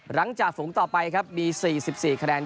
หลังจากฝูงต่อไปครับมีสี่สิบสี่คะแนน